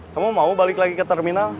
kamu mau balik lagi ke terminal